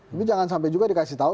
tapi jangan sampai juga dikasih tahu